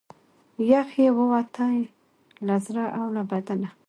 یخ یې ووتی له زړه او له بدنه